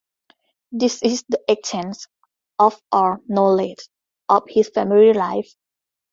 This is the extent of our knowledge of his family life.